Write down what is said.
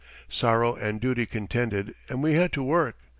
Sorrow and duty contended and we had to work.